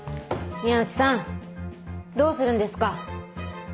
宮内さんどうするんですか？